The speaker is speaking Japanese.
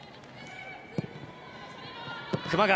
熊谷